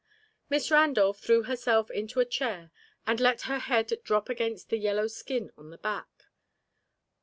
Miss Randolph threw herself into a chair and let her head drop against the yellow skin on the back.